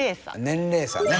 年齢差ね。